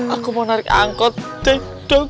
aku mau narik angkot dek duk